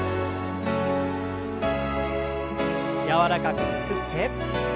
柔らかくゆすって。